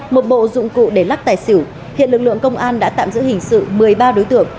một bộ dụng cụ để lắc tài xỉu hiện lực lượng công an đã tạm giữ hình sự một mươi ba đối tượng